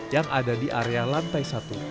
yang ada di area lantai satu